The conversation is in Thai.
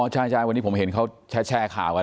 อ๋อใช่วันนี้ผมเห็นเขาแช่ข่าว